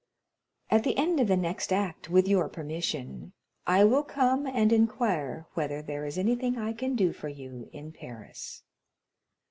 "At the end of the next act, with your permission, I will come and inquire whether there is anything I can do for you in Paris?"